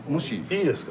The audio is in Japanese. いいですか？